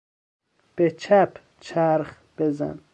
به چپ چرخ بزن.